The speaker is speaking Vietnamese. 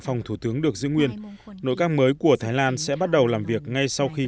phòng thủ tướng được giữ nguyên nội các mới của thái lan sẽ bắt đầu làm việc ngay sau khi